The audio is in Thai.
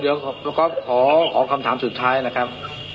เดี๋ยวคุณก๊อฟขอคำถามสุดท้ายนะครับ